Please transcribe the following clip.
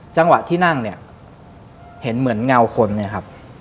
จังหวะที่นั่งเนี่ยเห็นเหมือนเงาคนเนี่ยครับ